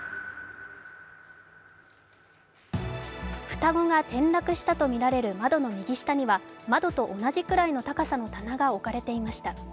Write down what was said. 双子が転落したとみられる窓の右下には窓と同じくらいの高さの棚が置かれていました。